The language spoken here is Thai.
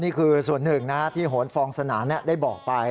นี่คือส่วนหนึ่งที่โหนฟองสนามได้บอกไป